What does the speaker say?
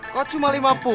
kok cuma lima puluh